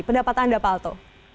pendapat anda pak alto